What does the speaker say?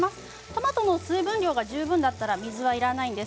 トマトの水分量が十分でしたら水はいりません。